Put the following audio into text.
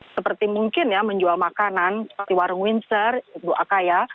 seperti mungkin ya menjual makanan di warung windsor ibu akaya